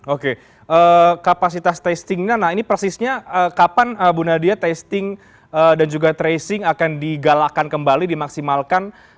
oke kapasitas testingnya nah ini persisnya kapan bu nadia testing dan juga tracing akan digalakan kembali dimaksimalkan